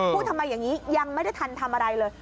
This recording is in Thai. พูดทำไมอย่างนี้ยังไม่ได้ทันทำอะไรเลย